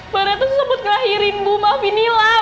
baria toto sempat ngelahirin ibu maafin nilam